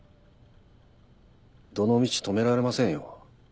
どのみち止められませんよ。